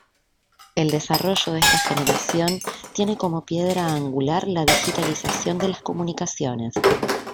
El desarrollo de esta generación tiene como piedra angular la digitalización de las comunicaciones.